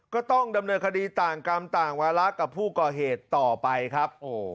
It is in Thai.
ก็ต้องดำเนินคดีต่างกรรมต่างวาระกับผู้ก่อเหตุต่อไปครับ